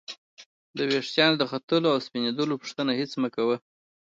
د ورېښتانو د ختلو او سپینیدلو پوښتنه هېڅ مه کوئ!